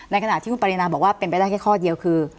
ขณะที่คุณปรินาบอกว่าเป็นไปได้แค่ข้อเดียวคือ